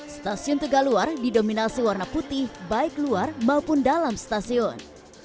stasiun tegaluar didominasi warna putih baik luar maupun dalam stasiun